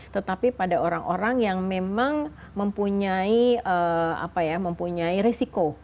tetapi pada orang orang yang memang mempunyai apa ya mempunyai resiko